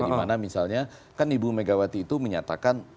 dimana misalnya kan ibu megawati itu menyatakan